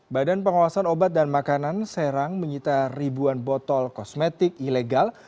badan pengawasan obat dan makanan serang menyita ribuan botol kosmetik ilegal